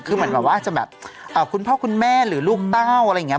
คืออาจจะคุ้นพ่อคุณแม่หรือลูกเต้า